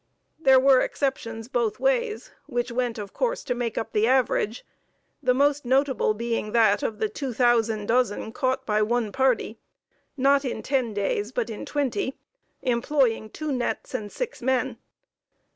There were exceptions both ways, which went of course to make up the average, the most notable being that of the 2,000 dozen caught by one party, not in ten days, but in twenty, employing two nets and six men.